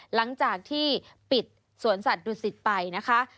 หลังจากที่ปิดสวนสัตว์ดุสิตไปนะคะ